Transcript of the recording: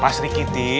pak sri kiti